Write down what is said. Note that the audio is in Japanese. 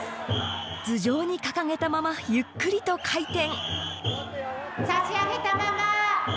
頭上に掲げたままゆっくりと回転。